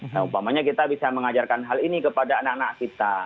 nah umpamanya kita bisa mengajarkan hal ini kepada anak anak kita